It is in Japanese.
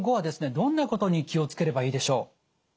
どんなことに気を付ければいいでしょう？